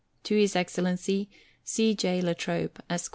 To His Excellency C. J. La Trobe, Esq.